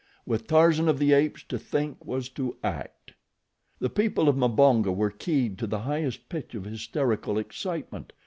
With Tarzan of the Apes, to think was to act. The people of Mbonga were keyed to the highest pitch of hysterical excitement.